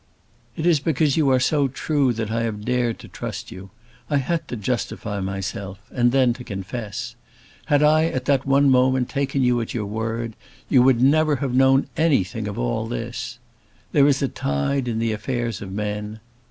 "It is because you are so true that I have dared to trust you. I had to justify myself, and then to confess. Had I at that one moment taken you at your word, you would never have known anything of all this. 'There is a tide in the affairs of men